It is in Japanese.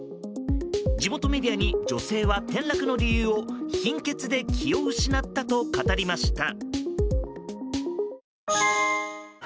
地元メディアに、女性は転落の理由を貧血で気を失ったと語りました。